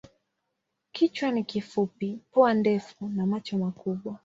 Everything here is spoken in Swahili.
Kichwa ni kifupi, pua ndefu na macho makubwa.